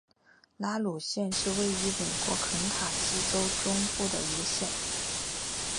拉鲁县是位于美国肯塔基州中部的一个县。